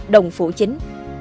đồng phủ chính